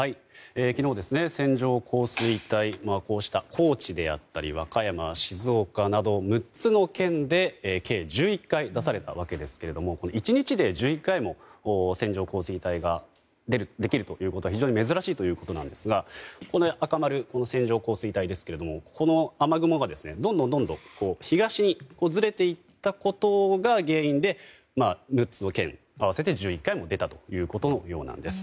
昨日、線状降水帯こうした高知であったり和歌山、静岡など６つの県で計１１回出されたわけですけれども１日で１１回も線状降水帯ができるということは非常に珍しいということなんですが赤丸、線状降水帯ですけれどもこの雨雲がどんどん東にずれていったことが原因で６つの県、合わせて１１回も出たということのようです。